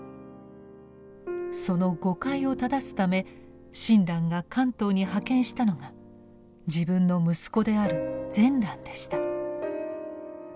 その誤解を正すため親鸞が関東に派遣したのが自分の息子である善鸞でした。